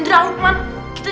paham apa itu